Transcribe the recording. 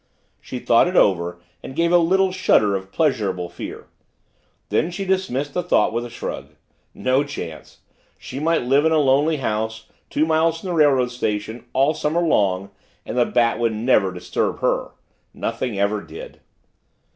She thought it over and gave a little shudder of pleasurable fear. Then she dismissed the thought with a shrug. No chance! She might live in a lonely house, two miles from the railroad station, all summer long and the Bat would never disturb her. Nothing ever did.